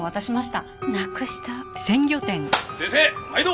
先生まいど！